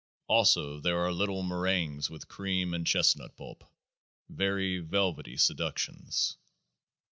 Also there are little meringues with cream and chestnut pulp, very velvety seductions.